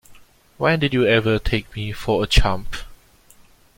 When did you ever take me for a chump?